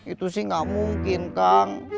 itu sih gak mungkin kang